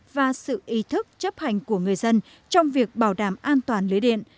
và sự ý thức chấp hành của người dân trong việc bảo đảm an toàn lưới điện